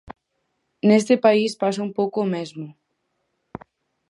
Neste país pasa un pouco o mesmo.